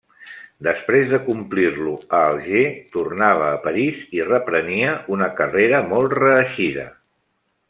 Després de complir-lo a Alger, tornava a París i reprenia una carrera molt reeixida.